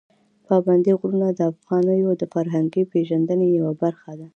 پابندي غرونه د افغانانو د فرهنګي پیژندنې یوه برخه ده.